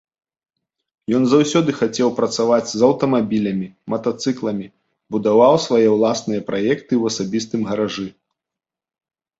Ён заўсёды хацеў працаваць з аўтамабілямі, матацыкламі, будаваў свае ўласныя праекты ў асабістым гаражы.